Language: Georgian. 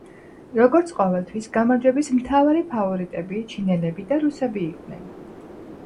როგორც ყოველთვის გამარჯვების მთავარი ფავორიტები ჩინელები და რუსები იყვნენ.